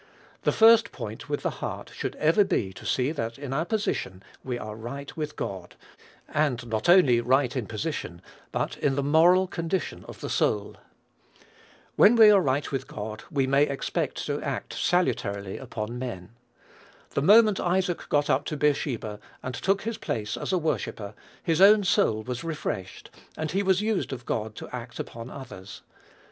The first point with the heart should ever be to see that in our position we are right with God, and not only right in position, but in the moral condition of the soul. When we are right with God, we may expect to act salutarily upon men. The moment Isaac got up to Beersheba, and took his place as a worshipper, his own soul was refreshed, and he was used of God to act upon others.